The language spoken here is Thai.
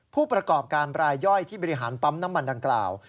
ผู้ประกอบการรายย่อยที่บริหารปั๊มน้ำมันดังกล่าว